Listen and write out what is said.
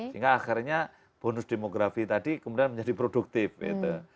sehingga akhirnya bonus demografi tadi kemudian menjadi produktif gitu